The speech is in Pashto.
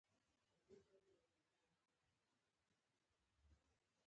ورور سره وخت تېرول خوند کوي.